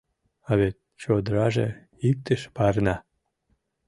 — А вет чодыраже иктыш варна.